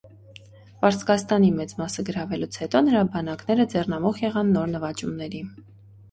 Պարսկաստանի մեծ մասը գրավելուց հետո նրա բանակները ձեռնամուխ եղան նոր նվաճումների։